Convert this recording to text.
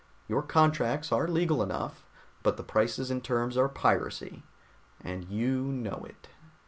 Your contracts are legal enough, but the prices and terms are piracy, and you know it."